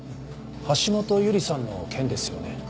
橋本優里さんの件ですよね？